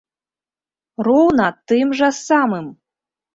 Роўна тым жа самым!